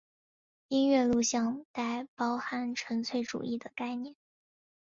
音乐录像带包含纯粹主义的概念。